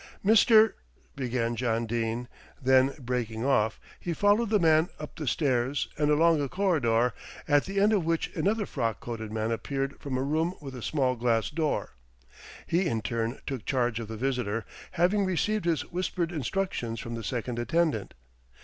"Mr. " began John Dene, then breaking off he followed the man up the stairs, and along a corridor, at the end of which another frock coated man appeared from a room with a small glass door. He in turn took charge of the visitor, having received his whispered instructions from the second attendant.